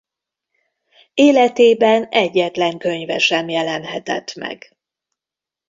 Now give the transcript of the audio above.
Életében egyetlen könyve sem jelenhetett meg.